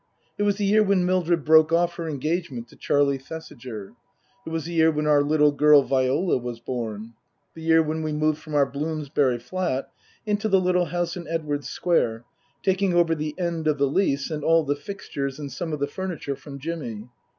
It was the year when Mildred broke off her engagement to Charlie Thesiger. It was the year when our little girl, Viola, was born ; the year when we moved from our Bloomsbury flat into the little house in Edwardes Square, taking over the end of the lease and all the fixtures and some of the furniture from Jimmy.